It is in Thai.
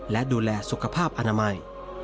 และดูแลสุขภาพอนามัย